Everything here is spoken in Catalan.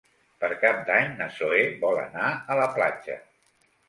Per Cap d'Any na Zoè vol anar a la platja.